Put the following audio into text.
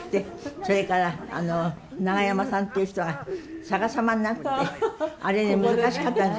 それからながやまさんという人が逆さまになってあれ難しかったんです。